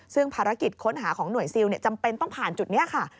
ซึ่งภารกิจค้นหาของหน่วยซิลจำเป็นต้องผ่านจุดนี้ค่ะ